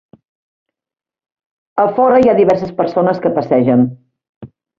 A fora, hi ha diverses persones que passegen.